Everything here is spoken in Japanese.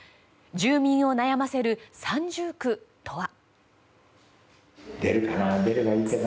住民を悩ませる三重苦とは。